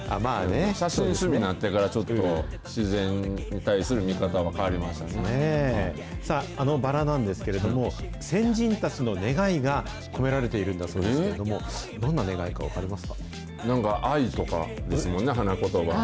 写真、趣味になってから、ちょっと自然に対する見方は変わりましさあ、あのバラなんですけれども、先人たちの願いが込められているんだそうですけれども、どなんか愛とかですもんね、花ことば。